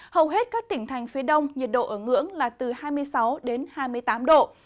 hầu hết các tỉnh thành phía đông nhiệt độ ở ngưỡng là từ hai mươi sáu đến hai mươi tám độ